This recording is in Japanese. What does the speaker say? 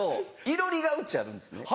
いろりがうちあるんですね。